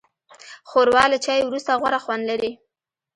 ښوروا له چای وروسته غوره خوند لري.